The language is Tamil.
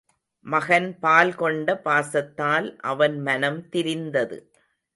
மகன் பால் கொண்ட பாசத்தால் அவன் மனம் திரிந்தது.